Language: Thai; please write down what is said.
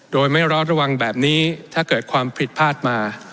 โดยไม่รอดระวังแบบนี้ถ้าเกิดความผิดพลาดมา